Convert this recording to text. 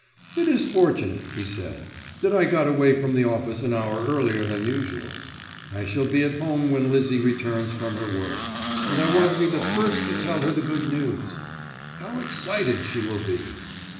"It is fortunate," he said, "that I got away from the office an hour earlier than usual. I shall be at home when Lizzie returns from her work, and I want to be the first to tell her the good news. How excited she will be!